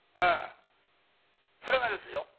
それがですよ